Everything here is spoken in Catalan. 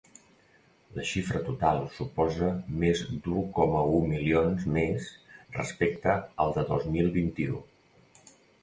La xifra total suposa més d’u coma u milions més respecte al de dos mil vint-i-u.